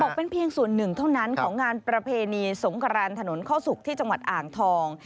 เป็นเพียงส่วนหนึ่งเท่านั้นของงานประเพณีสงครานถนนเข้าสุกที่จังหวัดอ่างทอง